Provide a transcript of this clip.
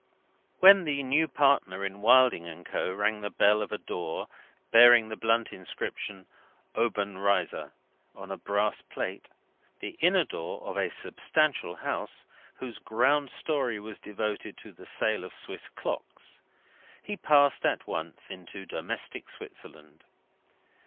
When the new partner in Wilding and Co. rang the bell of a door bearing the blunt inscription OBENREIZER on a brass plate the inner door of a substantial house, whose ground story was devoted to the sale of Swiss clocks he passed at once into domestic Switzerland.